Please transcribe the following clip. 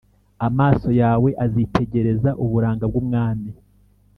Amaso yawe azitegereza uburanga bw’Umwami,